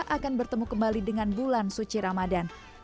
akan bertemu kembali dengan bulan suci ramadan